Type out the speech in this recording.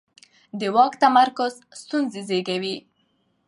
د واک تمرکز ستونزې زېږوي